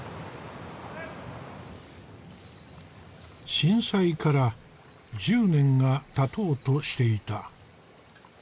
震災から１０年がたとうとしていた。